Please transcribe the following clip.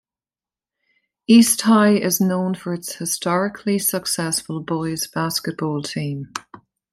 East High is known for its historically successful boys basketball team.